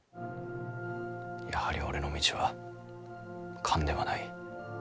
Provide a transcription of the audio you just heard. やはり俺の道は官ではない。